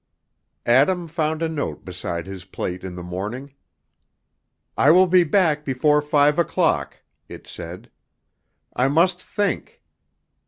Adam found a note beside his plate in the morning. "I will be back before five o'clock," it said; "I must think."